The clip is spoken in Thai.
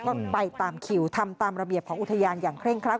ก็ไปตามคิวทำตามระเบียบของอุทยานอย่างเร่งครั